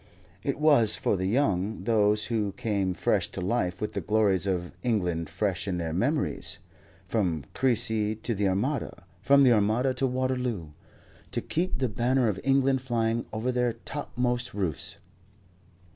It was for the young, those who came fresh to life with the glories of England fresh in their memories, from Crecy to the Armada, from the Armada to Waterloo, to keep the banner of England flying over their topmost roofs.